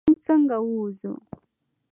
مونږ څنګه ووځو؟